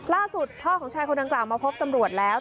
ล่าสุดพ่อของชายคนดังกล่าวมาพบตำรวจแล้ว